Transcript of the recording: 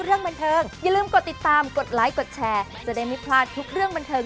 เราไม่ได้แบบหมกบุญเลย